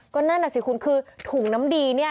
ก็นั่นน่ะสิคุณคือถุงน้ำดีเนี่ย